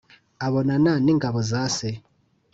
abonana n'ingabo za se